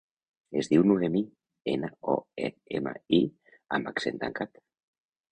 Es diu Noemí: ena, o, e, ema, i amb accent tancat.